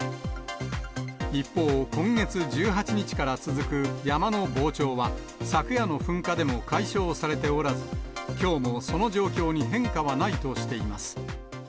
一方、今月１８日から続く山の膨張は、昨夜の噴火でも解消されておらず、きょうもその状況に変化はないとしています。